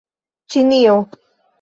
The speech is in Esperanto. ĉinio